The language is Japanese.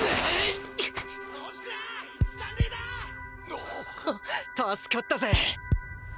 おほっ助かったぜ！